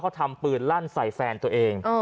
เขาทำปืนลั่นใส่แฟนตัวเอง